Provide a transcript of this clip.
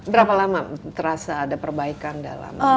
berapa lama terasa ada perbaikan dalam